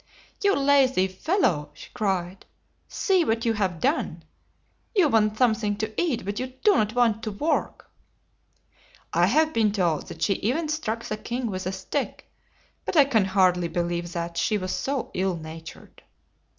"You lazy fellow!" she cried. "See what you have done! You want some thing to eat, but you do not want to work!" I have been told that she even struck the king with a stick; but I can hardly be lieve that she was so ill na tured.